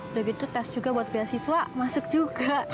udah gitu tes juga buat beasiswa masuk juga